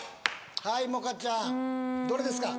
はい萌歌ちゃんどれですか？